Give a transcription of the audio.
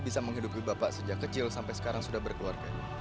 bisa menghidupi bapak sejak kecil sampai sekarang sudah berkeluarga